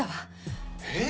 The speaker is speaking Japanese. えっ？